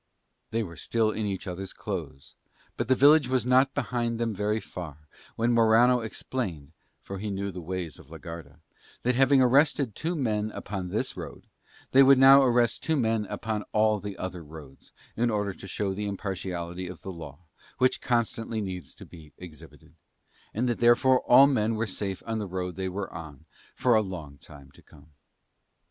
They were still in each other's clothes; but the village was not behind them very far when Morano explained, for he knew the ways of la Garda, that having arrested two men upon this road, they would now arrest two men each on all the other roads, in order to show the impartiality of the Law, which constantly needs to be exhibited; and that therefore all men were safe on the road they were on for a long while to come.